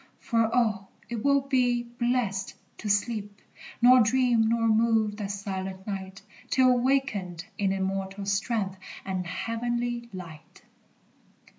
For, oh, it will be blest to sleep, Nor dream, nor move, that silent night, Till wakened in immortal strength And heavenly light!